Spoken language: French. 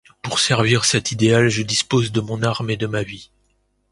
Pour servir cet idéal je dispose de mon arme et de ma vie.